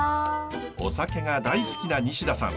お酒が大好きな西田さん